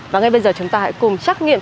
và ngay bây giờ chúng ta hãy cùng trắc nghiệm